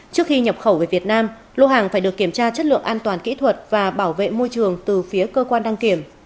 trước khi nhập khẩu về việt nam lô hàng phải được kiểm tra chất lượng an toàn kỹ thuật và bảo vệ môi trường từ phía cơ quan đăng kiểm